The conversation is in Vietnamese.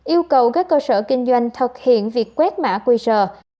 yêu cầu các cơ sở kinh doanh thực hiện việc quét mã quy rờ